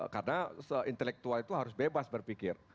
karena intelektual itu harus bebas berpikir